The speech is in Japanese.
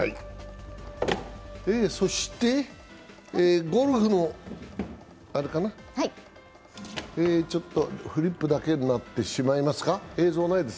そしてゴルフの、フリップだけになってしまいますか。